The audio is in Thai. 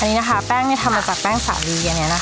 อันนี้แบ่งจะทำมาจากแบ่งสาลียังไง